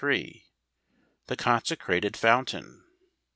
4r 33 . The Consecrated Fountain